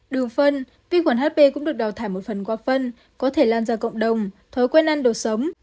đường phân vi khuẩn hp cũng được đào thải một phần qua phân có thể lan ra cộng đồng thói quen ăn đồ sống